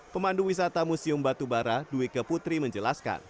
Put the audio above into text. pemandu wisata museum batubara dwi keputri menjelaskan